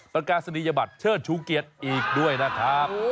ประกาศนียบัตรชื่อไก่เหรอ